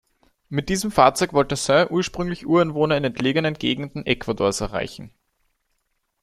Mit diesem Fahrzeug wollte Saint ursprünglich Ureinwohner in entlegenen Gegenden Ecuadors erreichen.